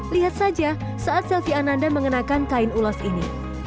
lihat saja saat selvi ananda mengenakan kain ulos ini